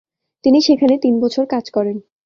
তিনি সেখানে তিন বছর কাজ করেন।